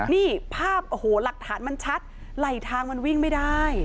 นี่ภาพโอ้โหหลักฐานมันชัดไหลทางมันวิ่งไม่ได้